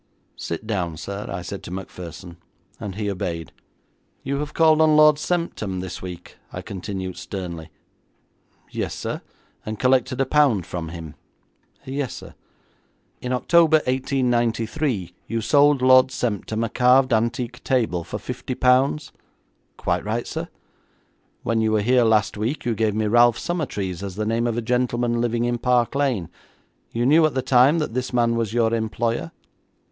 'Sit down, sir,' I said to Macpherson, and he obeyed. 'You have called on Lord Semptam this week,' I continued sternly. 'Yes, sir.' 'And collected a pound from him?' 'Yes, sir.' 'In October, 1893, you sold Lord Semptam a carved antique table for fifty pounds?' 'Quite right, sir.' 'When you were here last week you gave me Ralph Summertrees as the name of a gentleman living in Park Lane. You knew at the time that this man was your employer?'